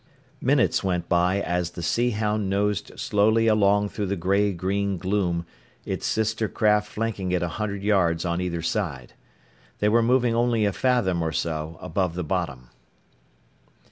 Minutes went by as the Sea Hound nosed slowly along through the gray green gloom, its sister craft flanking it a hundred yards on either side. They were moving only a fathom or so above the bottom.